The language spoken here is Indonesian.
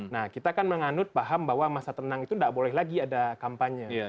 nah kita kan menganut paham bahwa masa tenang itu tidak boleh lagi ada kampanye